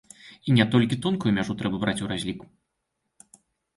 І не толькі тонкую мяжу трэба браць у разлік.